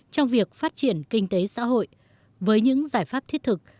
trong việc phát triển kinh tế xã hội với những giải pháp thiết thực